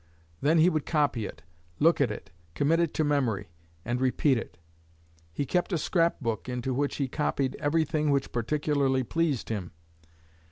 Then he would copy it, look at it, commit it to memory, and repeat it. He kept a scrap book into which he copied everything which particularly pleased him."